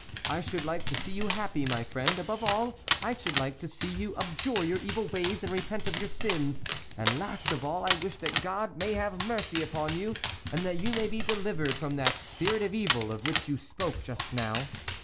I should like to see you happy, my friend ; above all I should like to see you abjure your evil ways and repent of your sins ; and last of all, I wish that God may have mercy upon you, and that you may be delivered from that spirit of evil, of which you spoke just now.